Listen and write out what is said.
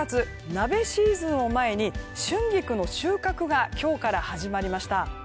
鍋シーズンをまえに春菊の収穫が今日から始まりました。